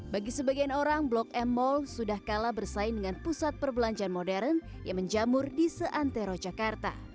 bagi sebagian orang blok m mall sudah kalah bersaing dengan pusat perbelanjaan modern yang menjamur di seantero jakarta